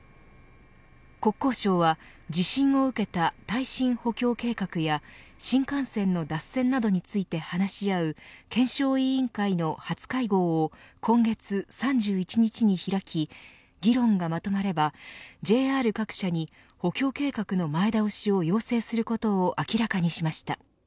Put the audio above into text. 国交省は地震を受けた耐震補強計画や新幹線の脱線などについて話し合う検証委員会の初会合を今月３１日に開き議論がまとまればＪＲ各社に補強計画の前倒しを要請することを明らかにしました。